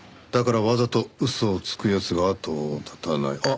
だからわざと嘘をつく奴があとを絶たない。